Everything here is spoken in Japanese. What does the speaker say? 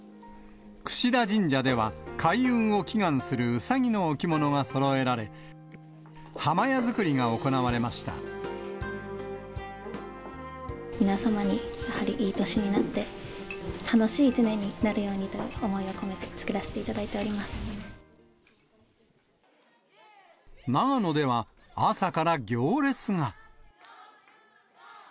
櫛田神社では、開運を祈願するうさぎの置物がそろえられ、破魔矢作りが行われま皆様に、やはりいい年になって、楽しい１年になるようにという思いを込めて作らせていただいてお長野では、朝から行列が。